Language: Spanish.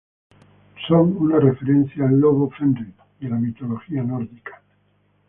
Son una referencia al lobo "Fenrir" de la mitología nórdica.